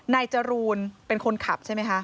จรูนเป็นคนขับใช่ไหมคะ